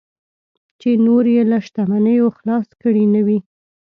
چې نور یې له شتمنیو خلاص کړي نه وي.